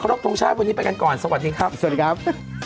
ครับสวัสดีครับ